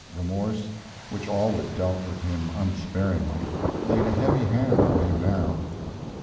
Remorse, which always dealt with him unsparingly, laid a heavy hand on him now.